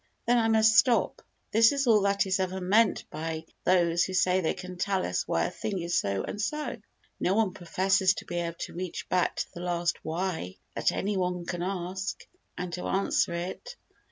Then I must stop. This is all that is ever meant by those who say they can tell us why a thing is so and so. No one professes to be able to reach back to the last "why" that any one can ask, and to answer it.